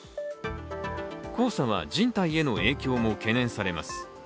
黄砂は人体への影響も懸念されます。